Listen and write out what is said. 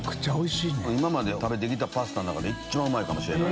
今まで食べて来たパスタの中で一番うまいかもしれない。